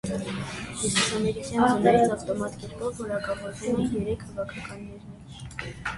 Հյուսիսամերիկյան զոնայից ավտոմատ կերպով որակավորվում են երեք հավաքականներն էլ։